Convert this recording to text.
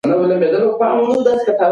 کبابي کبابونه په ډېر مهارت سره اړوي.